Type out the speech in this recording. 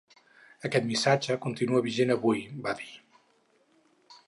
Aquest missatge continua vigent avui, va dir.